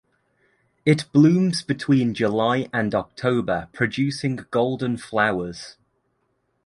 It blooms between July and October producing golden flowers.